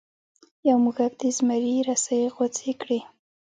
یو موږک د زمري رسۍ غوڅې کړې.